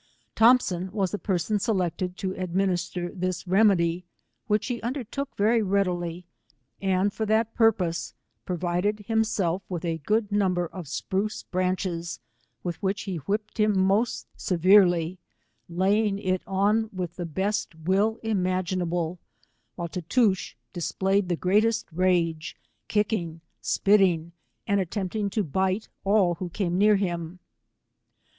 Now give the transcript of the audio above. Thompson was the per son selected to administer this remedy, which he undertook very readily, and for that purpose pro vided himself with a good number of spruce branches, with which he whipped him most severe ly, laying it on with the best will imaginable, while Tootoosch displayed the greatest rage, kick ing, spitting, and attempting to bite all who came near him.